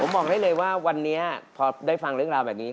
บอกได้เลยว่าวันนี้พอได้ฟังเรื่องราวแบบนี้